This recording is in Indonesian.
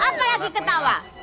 apa lagi ketawa